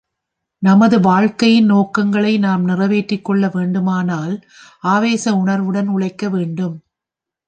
நமது வாழ்க்கையின் நோக்கங்களை நாம் நிறைவேற்றிக் கொள்ள வேண்டுமானால் ஆவேச உணர்வுடன் உழைக்க வேண்டும்.